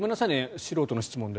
素人の質問で。